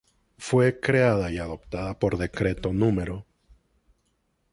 Fue creada y adoptada por decreto No.